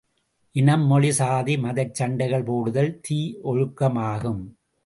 இனம், மொழி, சாதி, மதச் சண்டைகள் போடுதல் தீயொழுக்கமாகும்.